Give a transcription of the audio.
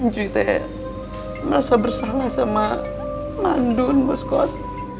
cuy aku merasa bersalah sama madun bos kos